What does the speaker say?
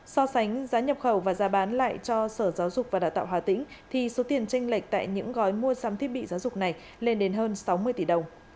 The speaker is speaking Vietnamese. so sánh giá nhập khẩu và ra bán lại cho sở giáo dục và đào tạo hà tĩnh thì số tiền tranh lệch tại những gói mua sắm thiết bị giáo dục này lên đến hơn sáu mươi tỷ đồng